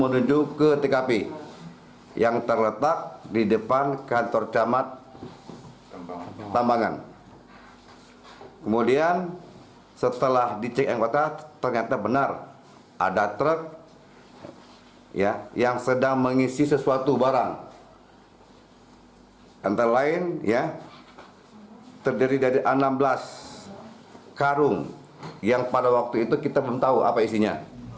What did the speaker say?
dari enam belas karung yang pada waktu itu kita belum tahu apa isinya